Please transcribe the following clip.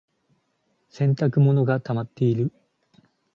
洗濯物がたまっている。